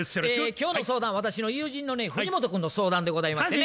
今日の相談は私の友人のね藤本君の相談でございましてね。